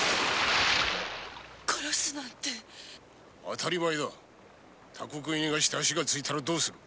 当たり前だ他国へ逃がして足がついたらどうする？